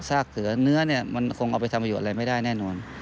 เสือเนื้อเนี่ยมันคงเอาไปทำประโยชน์อะไรไม่ได้แน่นอน